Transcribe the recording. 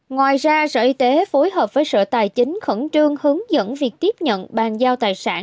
ngoài ra sở y tế phối hợp với sở tài chính khẩn trương hướng dẫn việc tiếp nhận bàn giao tài sản